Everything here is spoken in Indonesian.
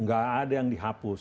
nggak ada yang dihapus